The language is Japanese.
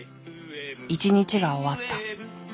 一日が終わった。